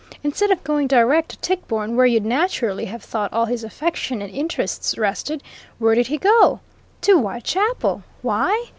Instead of going direct to Tichborne, where you'd naturally have thought all his affection and interests rested, where did he go? To Whitechapel! Why?